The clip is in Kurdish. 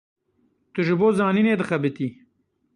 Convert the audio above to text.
Tu ji bo zanînê dixebitî.